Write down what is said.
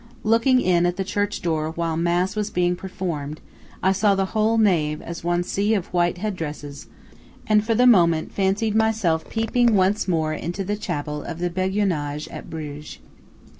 Looking in at the church door while mass was being performed, I saw the whole nave as one sea of white head dresses, and for the moment fancied myself peeping once more into the chapel of the Beguinage at Bruges.